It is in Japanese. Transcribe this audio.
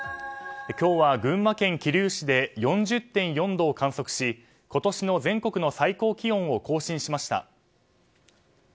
今日は群馬県桐生市で４０．４度を観測し今年の全国の最高気温を更新しました。